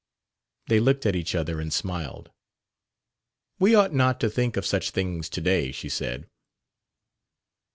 They looked at each other and smiled. "We ought not to think of such things to day," she said.